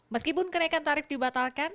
meskipun kenaikan tarif dibatalkan